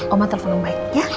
oma telepon om baik ya